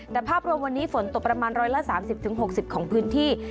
แต่ภาพรวมวันนี้ฝนตกประมาณ๑๓๐๖๐ของพื้นที่